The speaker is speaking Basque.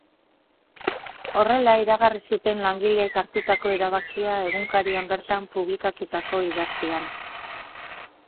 Horrela iragarri zuten langileek hartutako erabakia egunkarian bertan publikatutako idatzian.